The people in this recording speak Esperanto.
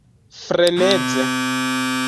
freneze